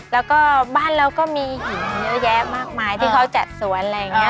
แล้วก็บ้านเราก็มีหินเยอะแยะมากมายที่เขาจัดสวนอะไรอย่างนี้